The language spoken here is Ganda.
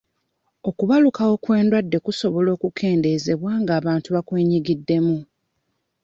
Okubalukawo kw'endwadde kusobola okukeendezebwa ng'abantu bakwenyigiddemu.